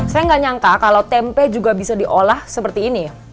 saya nggak nyangka kalau tempe juga bisa diolah seperti ini